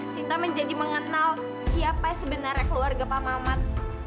sinta menjadi mengenal siapa sebenarnya keluarga pak mamat